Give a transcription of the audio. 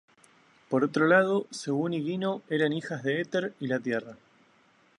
Por otro lado, según Higino eran hijas de Éter y la Tierra.